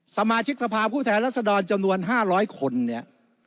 สมาชิกสภาพผู้แทนรัศดรจำนวน๕๐๐คนเนี่ย